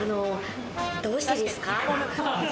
どうしてですか？